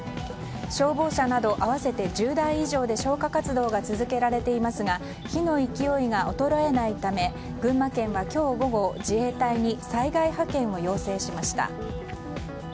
消防車など合わせて１０台以上で消火活動が続けられていますが火の勢いが衰えないため群馬県は今日午後自衛隊に災害派遣を要請しました。